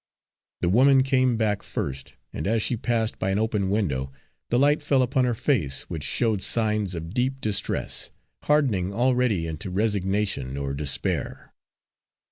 The woman came back first, and as she passed by an open window, the light fell upon her face, which showed signs of deep distress, hardening already into resignation or despair.